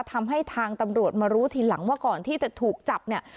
ทำให้ทางตำรวจมารู้ทีหลังว่าก่อนที่จะถูกจับเนี่ย